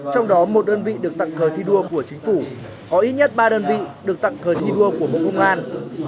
trong đó một đơn vị được tặng cờ thi đua của chính phủ có ít nhất ba đơn vị được tặng cờ thi đua của bộ công an